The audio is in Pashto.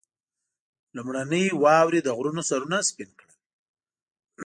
لومړنۍ واورې د غرو سرونه سپين کړل.